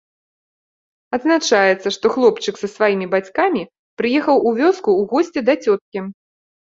Адзначаецца, што хлопчык са сваімі бацькамі прыехаў у вёску ў госці да цёткі.